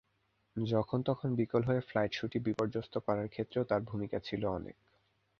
যখন-তখন বিকল হয়ে ফ্লাইটসূচি বিপর্যস্ত করার ক্ষেত্রেও তার ভূমিকা ছিল অনেক।